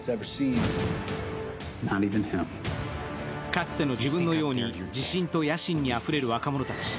かつての自分のように自信と野心にあふれる若者たち。